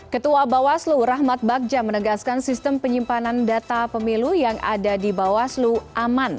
ketua bawaslu rahmat bagja menegaskan sistem penyimpanan data pemilu yang ada di bawaslu aman